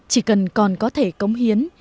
chỉ cần còn có thể cống hiến